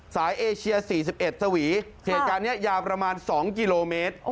เอเชีย๔๑สวีเหตุการณ์นี้ยาวประมาณ๒กิโลเมตร